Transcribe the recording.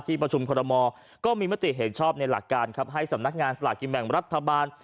ประชุมคอรมอลก็มีมติเห็นชอบในหลักการครับให้สำนักงานสลากกินแบ่งรัฐบาล